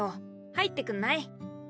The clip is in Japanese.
入ってくんない？